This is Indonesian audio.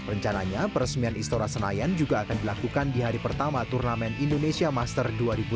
rencananya peresmian istora senayan juga akan dilakukan di hari pertama turnamen indonesia master dua ribu dua puluh